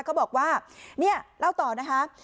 เขาบอกว่าเนี่ยเล่าต่อนะคะ